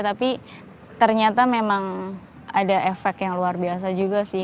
tapi ternyata memang ada efek yang luar biasa juga sih